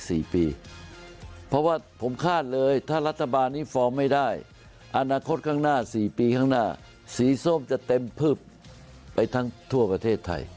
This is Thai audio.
สี่ปีข้างหน้าสีส้มจะเต็มพึบไปทั้งทั่วประเทศไทย